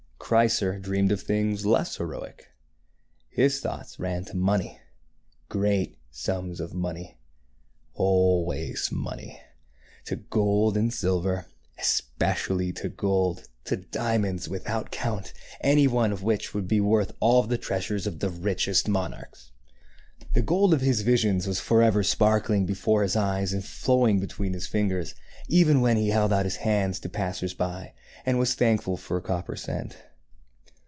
Chrysor dreamed of things less heroic. His thoughts ran to money, great sums of money, always money; to gold and silver, especially to gold ; to diamonds, without count, any one of which would be worth all the treasures of the richest monarchs. The gold of his visions was forever sparkling be fore his eyes, and flowing between his fingers, even when he held out his hands to the passers by, and was thankful for a copper cent.